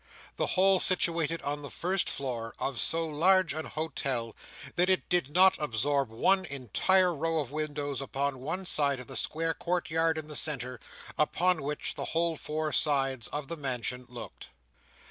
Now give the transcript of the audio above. The whole situated on the first floor of so large an Hotel, that it did not absorb one entire row of windows upon one side of the square court yard in the centre, upon which the whole four sides of the mansion looked.